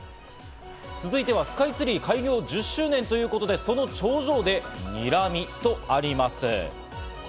続いてはスカイツリー開業１０周年ということで、その頂上で「にらみ」とあります。